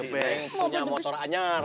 punya motor anjar